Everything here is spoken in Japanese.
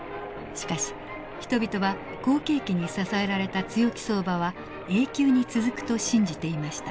しかし人々は好景気に支えられた強気相場は永久に続くと信じていました。